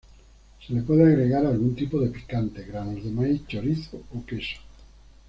Se le puede agregar algún tipo de picante, granos de maíz, chorizo o queso.